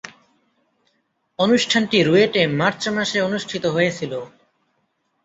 অনুষ্ঠানটি রুয়েটে মার্চ মাসে অনুষ্ঠিত হয়েছিলো।